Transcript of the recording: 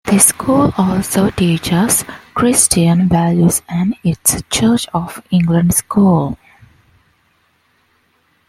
The school also teaches Christian values and is a Church of England school.